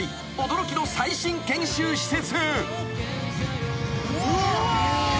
驚きの最新研修施設］